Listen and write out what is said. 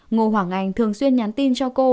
ngô hoàng anh thường xuyên nhắn tin cho cô